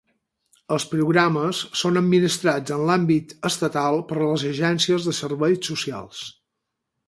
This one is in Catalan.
Els programes són administrats en l'àmbit estatal per les agències de serveis socials.